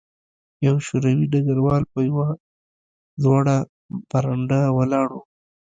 یو شوروي ډګروال په یوه لوړه برنډه ولاړ و